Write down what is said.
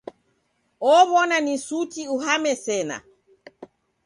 Ow'ona ni suti uhame sena.